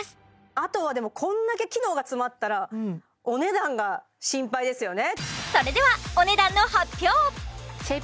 あとはでもこんだけ機能が詰まったらお値段が心配ですよね